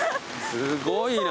すごいな。